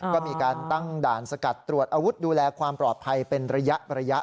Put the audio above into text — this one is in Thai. ก็มีการตั้งด่านสกัดตรวจอาวุธดูแลความปลอดภัยเป็นระยะ